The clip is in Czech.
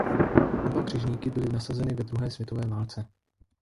Oba křižníky byly nasazeny ve druhé světové válce.